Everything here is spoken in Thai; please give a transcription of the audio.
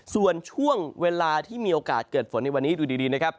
ส่วนช่วงเวลาที่มีโอกาสเกิดฝนในวันนี้ดูดีนะครับ